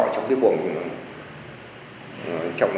trong cái bồng